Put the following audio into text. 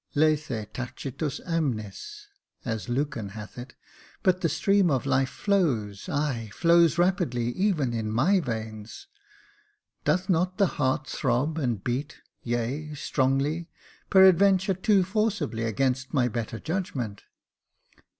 ' Lethe tacitus amnis^ as Lucan hath it ; but the stream of life flows — ay, flows rapidly — even in my veins. Doth not the heart throb and beat — yea, strongly — peradventure too forcibly against my better judgment